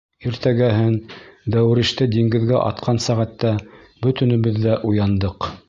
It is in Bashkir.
Иртәгеһен, дәрүиште диңгеҙгә атҡан сәғәттә, бөтөнөбөҙ ҙә уяндыҡ.